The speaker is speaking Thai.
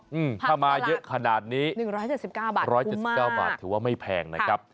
ผักตลาด๑๗๙บาทคุณมากถือว่าไม่แพงนะครับถ้ามาเยอะขนาดนี้